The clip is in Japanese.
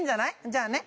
じゃあね。